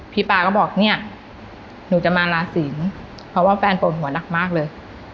ปาก็บอกเนี่ยหนูจะมาลาศิลป์เพราะว่าแฟนปวดหัวหนักมากเลย